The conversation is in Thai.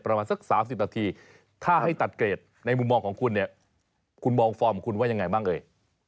ประมาณสัก๓๐นาทีถ้าให้ตัดเกรดในมุมมองของคุณเนี่ยคุณมองฟอร์มของคุณว่ายังไงบ้างเอ่ย